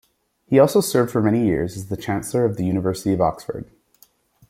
He also served for many years as the Chancellor of the University of Oxford.